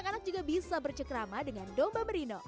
anak anak juga bisa bercekrama dengan domba merino